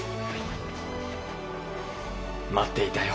待っていたよ。